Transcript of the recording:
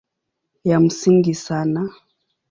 Ya msingi sana